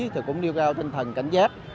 thì cũng điều giao tinh thần cảnh giáp